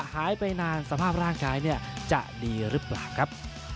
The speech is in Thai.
หายไปนานสภาพร่างกายจะดีหรือเปล่าครับ